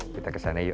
kita kesana yuk